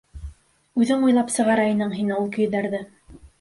Үҙең уйлап сығара инең һин ул көйҙәрҙе.